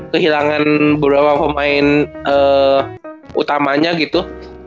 kehilangan beberapa pemain utamanya gitu